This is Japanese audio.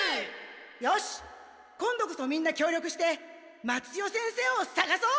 よし今度こそみんな協力して松千代先生をさがそう！